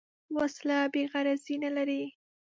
وسله بېغرضي نه لري